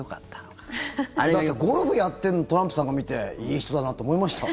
だってゴルフやってるトランプさん見ていい人だなって思いました？